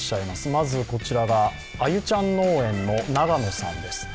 まずこちらは、あゆちゃん農園の永野さんです。